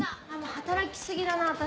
働きすぎだな私。